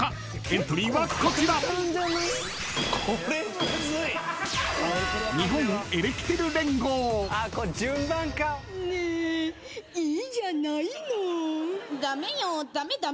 ［エントリーはこちら］ねぇいいじゃないのぉ。